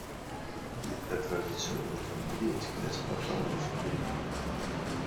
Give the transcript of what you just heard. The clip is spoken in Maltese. L-ikla tradizzjonali tal-Milied kienet kollha mal-familja.